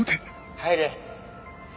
入れ。